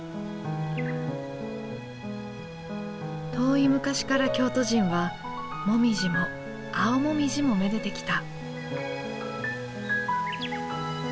遠い昔から京都人はもみじも青もみじもめでてきた。